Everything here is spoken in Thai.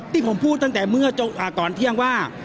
ที่ผมพูดตั้งแต่เมื่อก่อนเที่ยงว่า